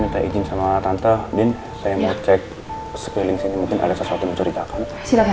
minta izin sama tante bin saya mau cek sekeliling sini mungkin ada sesuatu yang menceritakan